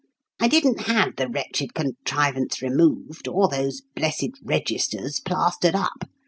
I didn't have the wretched contrivance removed or those blessed 'registers' plastered up.